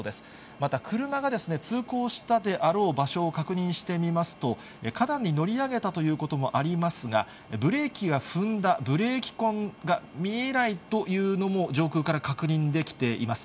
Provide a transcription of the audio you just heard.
また、車が通行したであろう場所を確認してみますと、花壇に乗り上げたということもありますが、ブレーキを踏んだブレーキ痕が見えないというのも上空から確認できています。